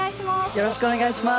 よろしくお願いします。